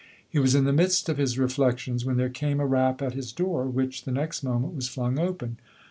He was in the midst of his reflections when there came a rap at his door, which the next moment was flung open.